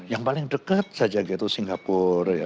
yang paling dekat saja gitu singapura